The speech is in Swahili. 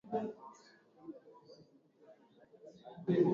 ndoa yake na Daniella wamepata watoto watatu Abba Marcas Mayanja akiwa wa kwanza